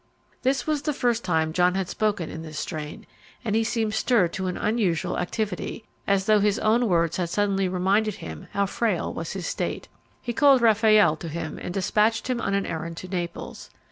This was the first time John had spoken in this strain, and he seemed stirred to an unusual activity, as though his own words had suddenly reminded him how frail was his state. He called Raffaelle to him and despatched him on an errand to Naples.